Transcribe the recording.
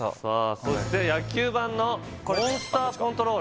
そして野球盤のモンスターコントロール